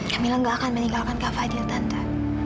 kak mila gak akan meninggalkan kak fadil tante